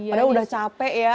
padahal udah capek ya